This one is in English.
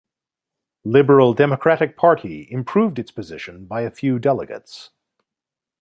Liberal Democratic Party improved its position by a few delegates.